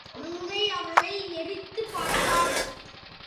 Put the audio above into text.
மங்கை, அவளை எரித்துப் பார்த்தாள்.